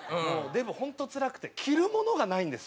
でも本当つらくて着るものがないんですよ。